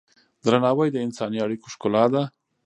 درناوی د انساني اړیکو ښکلا ده.